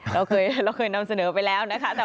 เราเคยนำเสนอไปแล้วนะคะ